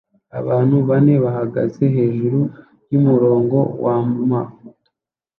Abantu bane bahagaze hejuru yumurongo wamafoto